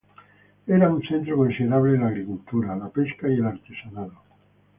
Era un centro considerable de la agricultura, la pesca y el artesanado.